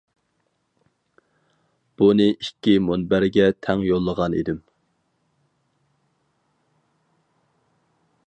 بۇنى ئىككى مۇنبەرگە تەڭ يوللىغان ئىدىم.